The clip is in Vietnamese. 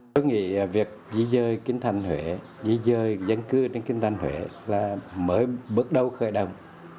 tôi nghĩ việc di rời kinh thành huế di rời dân cư đến kinh thành huế là mới bước đầu khởi động